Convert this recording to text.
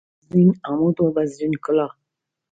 بزرین عمود و بزرین کلاه